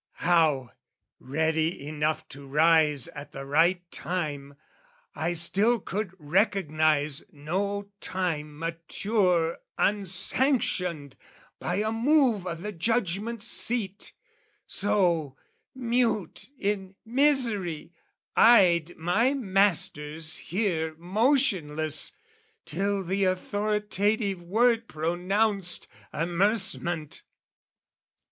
How, ready enough to rise at the right time, I still could recognise no time mature Unsanctioned by a move o' the judgment seat, So, mute in misery, eyed my masters here Motionless till the authoritative word Pronounced amercement.